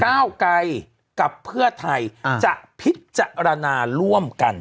ก้าวไกรกับเพื่อไทยจะพิจารณาร่วมกัน